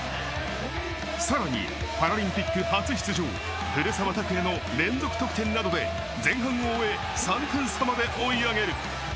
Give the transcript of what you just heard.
さらにパラリンピック初出場、古澤拓也の連続得点などで前半を終え、３点差まで追い上げる。